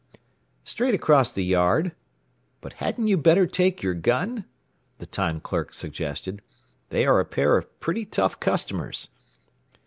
"Straight across the yard. But hadn't you better take your gun?" the time clerk suggested. "They are a pair of pretty tough customers."